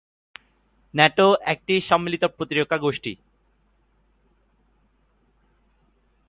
NATO একটি সম্মিলিত প্রতিরক্ষা গোষ্ঠী।